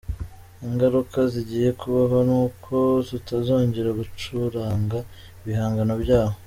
Ingaruka zigiye kubaho ni uko tutazongera gucuranga ibihangano byabo.